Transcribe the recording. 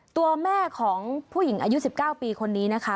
ตัวแม่ของผู้หญิงอายุ๑๙ปีคนนี้นะคะ